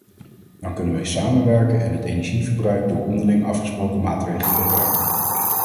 Dan kunnen wij samenwerken en het energieverbruik door onderling afgesproken maatregelen beperken.